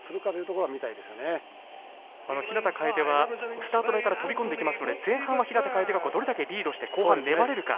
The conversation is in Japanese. この日向楓はスタート台から飛び込んでいきますので前半は日向楓がどれだけリードして後半粘れるか。